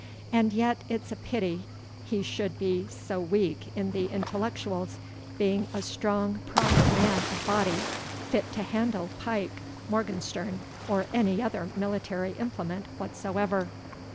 And yet it's a pity he should be sae weak in the intellectuals, being a strong proper man of body, fit to handle pike, morgenstern, or any other military implement whatsoever."